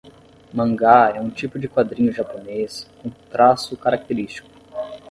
Mangá é um tipo de quadrinho japonês com traço característico